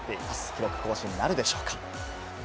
記録更新なるでしょうか。